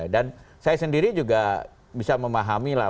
dan saya sendiri juga bisa memahami lah